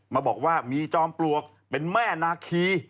มาบอกว่ามีจอมปลวกเป็นแม่นาคี